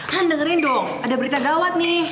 han dengerin dong ada berita gawat nih